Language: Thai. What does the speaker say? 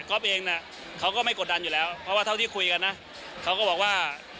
เองเนี่ยเขาก็ไม่กดดันอยู่แล้วเพราะว่าเท่าที่คุยกันนะเขาก็บอกว่า